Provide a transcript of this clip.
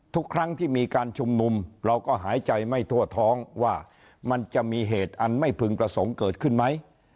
ทุกครั้งที่มีการชุมนุมเราก็หายใจไม่ทั่วท้องว่ามันจะมีเหตุอันไม่พึงประสงค์เกิดขึ้นไหม